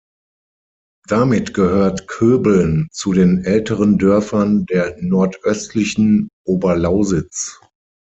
Damit gehört Köbeln zu den älteren Dörfern der nordöstlichen Oberlausitz.